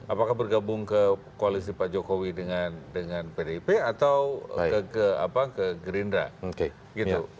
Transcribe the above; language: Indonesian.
apakah bergabung ke koalisi pak jokowi dengan pdip atau ke apa ke gelindra gitu